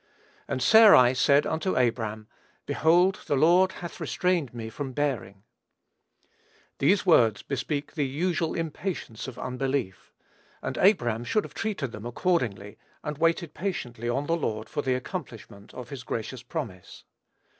"And Sarai said unto Abram, Behold the Lord hath restrained me from bearing." These words bespeak the usual impatience of unbelief; and Abram should have treated them accordingly, and waited patiently on the Lord for the accomplishment of his gracious promise.